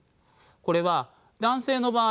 これは男性の場合